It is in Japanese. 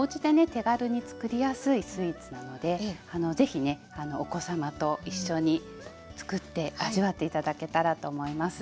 手軽につくりやすいスイーツなのでぜひねお子様と一緒につくって味わって頂けたらと思います。